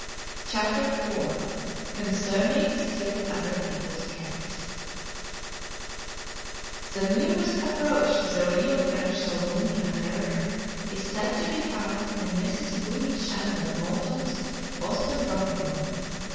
CHAPTER IV CONCERNING STILL OTHER PEOPLE'S CATS The nearest approach to the real French Salon in America is said to be found in Mrs. Louise Chandler Moulton's Boston drawing room.